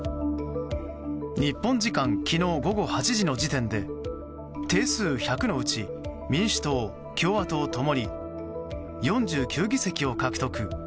日本時間、昨日午後８時の時点で定数１００のうち民主党、共和党共に４９議席を獲得。